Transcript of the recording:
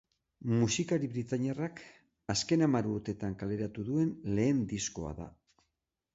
Musikari britainiarrak azken hamar urteetan kaleratu duen lehen diskoa da.